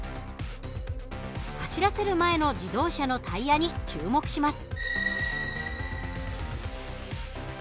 走らせる前の自動車のタイヤに注目します。